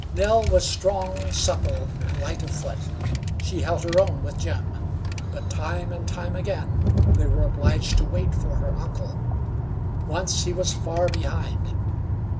Nell was strong, supple, and light of foot. She held her own with Jim, but time and time again they were obliged to wait for her uncle. Once he was far behind.